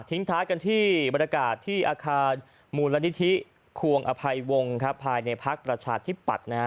ท้ายกันที่บรรยากาศที่อาคารมูลนิธิควงอภัยวงภายในพักประชาธิปัตย์